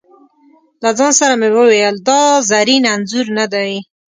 له ځانه سره مې وویل: دا زرین انځور نه دی.